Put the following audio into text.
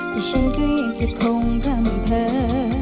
แต่ฉันก็ยังจะคงพร่ำเผลอ